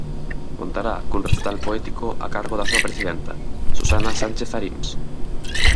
Contará cun recital poético a cargo da súa presidenta, Susana Sánchez Aríns.